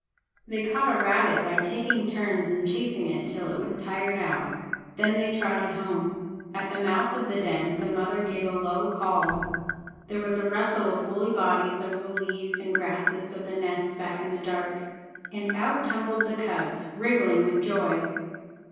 They caught a rabbit by taking turns in chasing it till it was tired out. Then they trotted home. At the mouth of the den the mother gave a low call. There was a rustle of woolly bodies over the leaves and grasses of the nest back in the dark. And out tumbled the cubs, wriggling with joy.